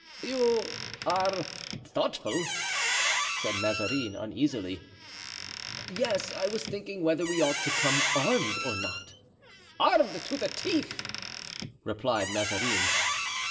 "You are thoughtful," said Mazarin, uneasily. "Yes, I was thinking whether we ought to come armed or not." "Armed to the teeth!" replied Mazarin.